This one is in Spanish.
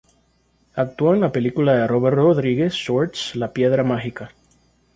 Actuó en la película de Robert Rodríguez "Shorts: La piedra mágica".